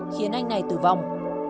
khiến anh này tử vong